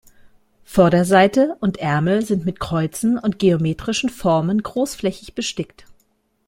Vorderseite und Ärmel sind mit Kreuzen und geometrischen Formen großflächig bestickt.